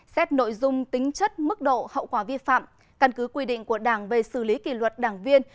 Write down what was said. xét nội dung tính chất mức độ hậu quả vi phạm căn cứ quy định của đảng về xử lý kỷ luật đảng viên